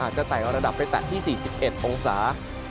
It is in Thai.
อาจจะแตกระดับไปแตะที่๔๑องศา